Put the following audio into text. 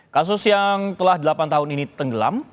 kasus yang telah delapan tahun ini tenggelam